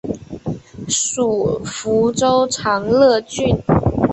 属福州长乐郡。